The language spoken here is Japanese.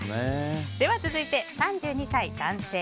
続いて、３２歳、男性。